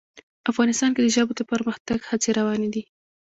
افغانستان کې د ژبو د پرمختګ هڅې روانې دي.